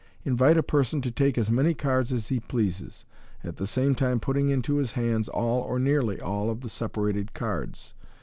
Invite a person to take as many cards as he pleases, at the same time putting into his hands all, or nearly all, of the separated cards.